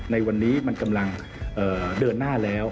ในวันนี้มันกำลังเดินหน้าแล้ว